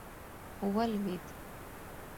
ولوېد.